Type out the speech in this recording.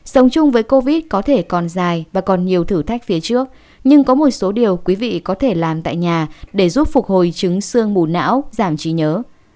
sống chung với covid có thể còn dài và còn nhiều thử thách phía trước nhưng có một số điều quý vị có thể làm tại nhà để giúp phục hồi chứng sương mù não giảm trí nhớ